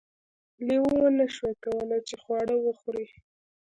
لیوه ونشوای کولی چې خواړه وخوري.